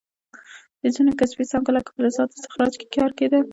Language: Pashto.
په ځینو کسبي څانګو لکه فلزاتو استخراج کې کار کیده.